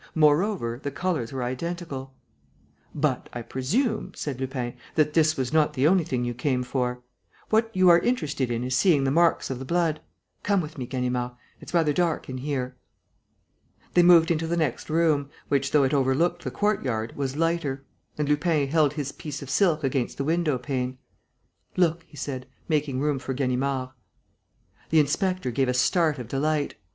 Moreover, the colours were identical. "But I presume," said Lupin, "that this was not the only thing you came for. What you are interested in seeing is the marks of the blood. Come with me, Ganimard: it's rather dark in here." They moved into the next room, which, though it overlooked the courtyard, was lighter; and Lupin held his piece of silk against the window pane: "Look," he said, making room for Ganimard. The inspector gave a start of delight.